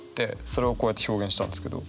それをこうやって表現したんですけど。